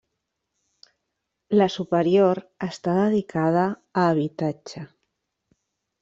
La superior està dedicada a habitatge.